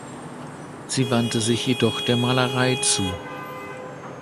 Sie wandte sich jedoch der Malerei zu.